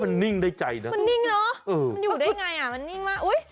มันนิ่งได้ใจนะมันนิ่งเนอะมันอยู่ได้ไงอ่ะมันนิ่งมากอุ้ย